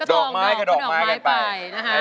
ดอกไม้กับดอกไม้ไป